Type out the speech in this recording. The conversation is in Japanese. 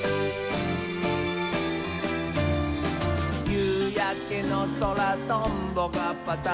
「ゆうやけのそらトンボがパタパタ」